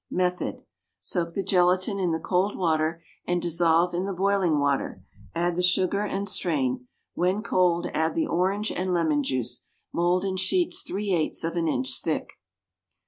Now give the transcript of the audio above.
Method. Soak the gelatine in the cold water and dissolve in the boiling water; add the sugar and strain; when cold add the orange and lemon juice. Mould in sheets three eighths of an inch thick.